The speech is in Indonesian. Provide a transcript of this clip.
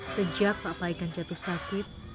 sejak pak paikan jatuh sakit